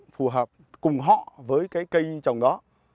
phù hợp cùng họ với cái cây trồng đó